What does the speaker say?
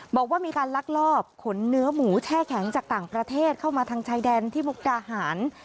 บอกว่ามีการลักลอบขนเนื้อหมูแช่แข็งจากต่างประเทศเข้ามาทางชายแดนที่มุกดาหาร